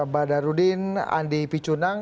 badarudin andi picunang